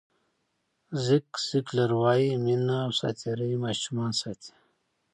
زیګ زیګلر وایي مینه او ساعتېرۍ ماشومان ساتي.